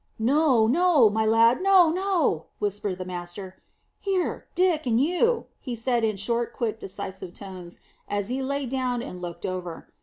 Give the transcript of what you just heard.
"No, no, my lad, no, no!" whispered the master. "Here, Dick, and you," he said in short, quick, decisive tones, as he lay down and looked over.